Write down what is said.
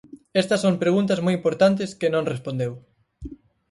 Estas son preguntas moi importantes que non respondeu.